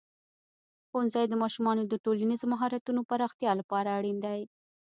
ښوونځی د ماشومانو د ټولنیزو مهارتونو پراختیا لپاره اړین دی.